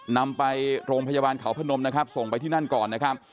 นำไปโรงพยาบาลเขาพนมนะครับส่งไปที่นั่นก่อนนะครับ